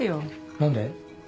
何で？